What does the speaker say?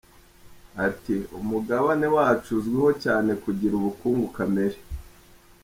Ati “Umugabane wacu uzwiho cyane kugira ubukungu kamere.